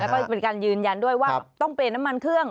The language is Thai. แล้วก็เป็นการยืนยันด้วยว่าต้องเปลี่ยนน้ำมันเครื่อง